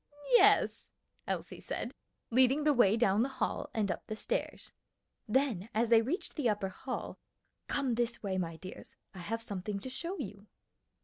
"Yes," Elsie said, leading the way down the hall and up the stairs. Then as they reached the upper hall, "Come this way, my dears, I have something to show you."